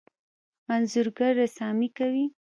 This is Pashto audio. انځورګر رسامي کوي.